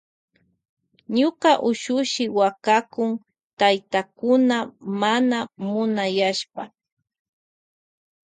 Ñuka ushushi wakakun taytakuna mana munanyashpa.